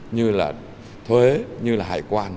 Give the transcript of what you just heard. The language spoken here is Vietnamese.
như là thuế như là hải quan